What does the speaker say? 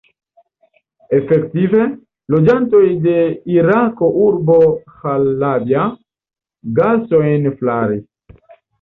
Efektive, loĝantoj de iraka urbo Ĥalabja gasojn flaris.